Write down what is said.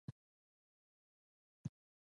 د مایکروسکوپ جسم د بازو د پاسه ځای لري.